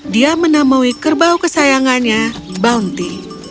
dia menemui kerbau kesayangannya bounty